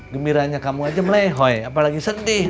gembiranya kamu aja melehoi apalagi sedih